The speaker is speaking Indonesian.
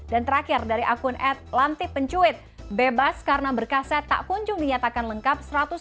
dan terakhir dari akun ad lantip mencuit bebas karena berkaset tak kunjung dinyatakan lengkap